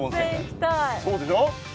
そうでしょ？